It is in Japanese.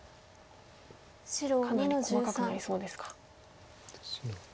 かなり細かくなりそうですか。